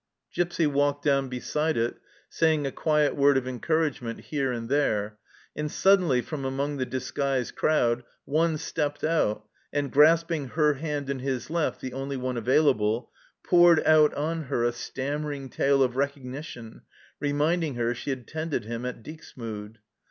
Gipsy walked down beside it, saying a quiet word of encouragement here and there, and suddenly from among the disguised crowd one stepped out, and grasping her hand in his left, the only one available, poured out on her a stammering tale of recognition, reminding her she had tended him at Dixmude.